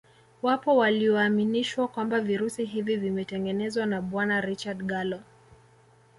Wapo walioaminishwa kwamba virusi hivi vimetengenezwa na Bwana Richard Gallo